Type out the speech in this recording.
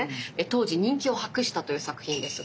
当時人気を博したという作品です。